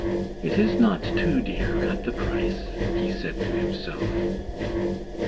"It is not too dear at the price!" he said to himself.